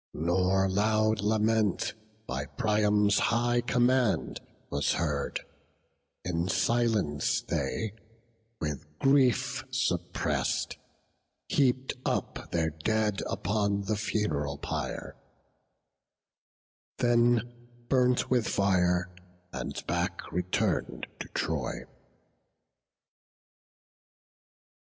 Nor loud lament, by Priam's high command, Was heard; in silence they, with grief suppress'd, Heap'd up their dead upon the fun'ral pyre; Then burnt with fire, and back return'd to Troy.